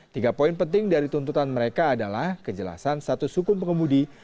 tiga poin penting dari tuntutan mereka adalah kejelasan status hukum pengemudi